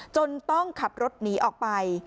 จนต้องขับรถหนีออกไป